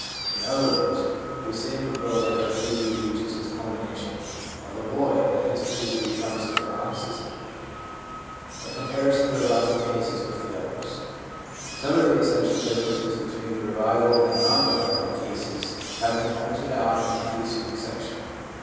In other words, we say of a girl that her puberty reaches its culmination ; of a boy, that his puberty becomes a paroxysm/ l A Comparison of the Revival Cases with the Others. Some of the essential differences between the revival and non revival cases have been pointed out in the pre ceding section.